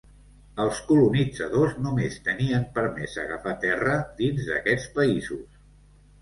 Els colonitzadors només tenien permès agafar terra dins d'aquests països.